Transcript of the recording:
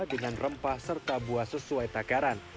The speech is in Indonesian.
dengan rempah serta buah sesuai takaran